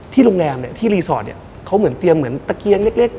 ที่โรงแรมที่รีสอร์ตเขาเหมือนเตรียมเหมือนตะเกียงเล็ก